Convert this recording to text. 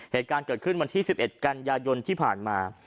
เหตุการณ์เกิดขึ้นวันที่๑๑กันยายนที่ผ่านมา